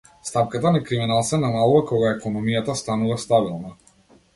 Стапката на криминал се намалува кога економијата станува стабилна.